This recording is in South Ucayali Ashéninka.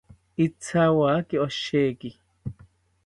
Ithawaki osheki